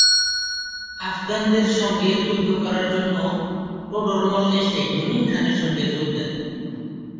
আফগানদের সঙ্গে যুদ্ধ করার জন্য টোডরমল এসে মুনিম খানের সঙ্গে যোগ দেন।